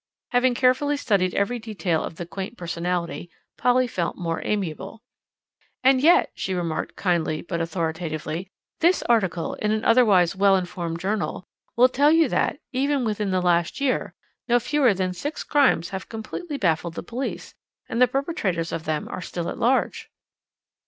Having carefully studied every detail of the quaint personality Polly felt more amiable. "And yet," she remarked kindly but authoritatively, "this article, in an otherwise well informed journal, will tell you that, even within the last year, no fewer than six crimes have completely baffled the police, and the perpetrators of them are still at large."